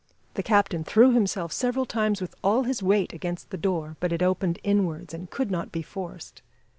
The captain threw himself several times with all his weight against the door, but it opened inwards and could not be forced.